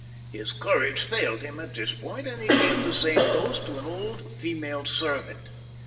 His courage failed him at this point, and he gave the same dose to an old female servant.